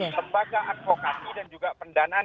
lembaga advokasi dan juga pendanaan